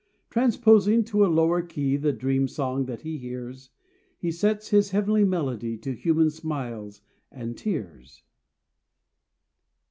Transposing to a lower key The dream song that he hears, He sets his heavenly melody To human smiles and tears.